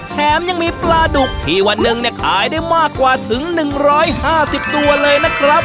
แถมยังมีปลาดุกที่วันหนึ่งเนี่ยขายได้มากกว่าถึง๑๕๐ตัวเลยนะครับ